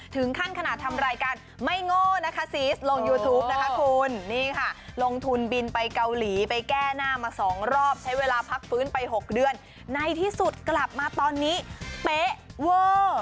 ถึงขั้นขนาดทำรายการไม่โง่นะคะซีสลงยูทูปนะคะคุณนี่ค่ะลงทุนบินไปเกาหลีไปแก้หน้ามาสองรอบใช้เวลาพักฟื้นไป๖เดือนในที่สุดกลับมาตอนนี้เป๊ะเวอร์